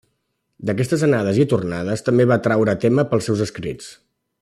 D'aquestes anades i tornades també va traure tema pels seus escrits.